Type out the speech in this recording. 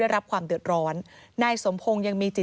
ที่มันก็มีเรื่องที่ดิน